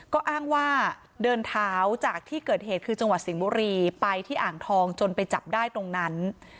ก็อ้างว่าเดินเท้าจากที่เกิดเหตุคือจังหวัดสิงห์บุรีไปที่อ่างทองจนไปจับได้ตรงนั้น